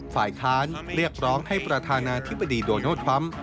ฝ่ายค้านเรียกร้องให้ประธานาธิบดีโดยโน้ตความ